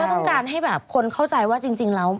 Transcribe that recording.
เราก็ต้องการให้คนเข้าใจว่าจริงแล้ว